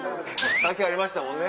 さっきありましたもんね。